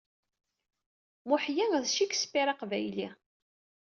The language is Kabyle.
Muḥya d Shakespeare aqbayli.